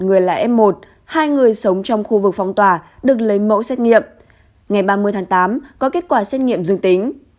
ngày ba mươi tháng tám có kết quả xét nghiệm dương tính